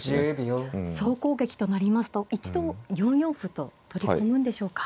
総攻撃となりますと一度４四歩と取り込むんでしょうか。